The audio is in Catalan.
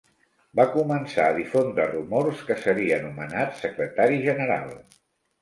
Va començar a difondre rumors que seria nomenat secretari general.